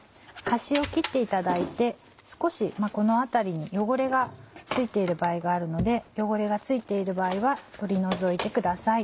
端を切っていただいて少しこの辺りに汚れが付いている場合があるので汚れが付いている場合は取り除いてください。